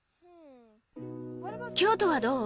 京都はどう？